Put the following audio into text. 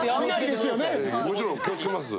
もちろん気を付けます。